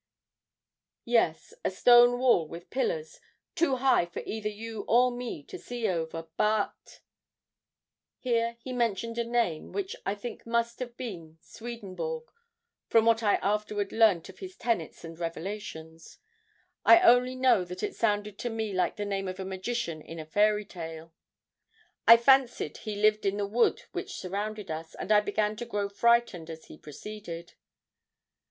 'Yes, a stone wall with pillars, too high for either you or me to see over. But ' Here he mentioned a name which I think must have been Swedenborg, from what I afterwards learnt of his tenets and revelations; I only know that it sounded to me like the name of a magician in a fairy tale; I fancied he lived in the wood which surrounded us, and I began to grow frightened as he proceeded.